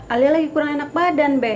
ali lagi kurang enak badan be